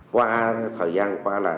qua thời gian qua